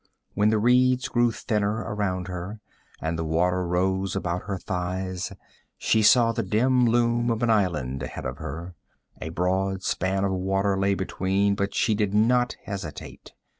When the reeds grew thinner around her and the water rose about her thighs, she saw the dim loom of an island ahead of her. A broad span of water lay between, but she did not hesitate.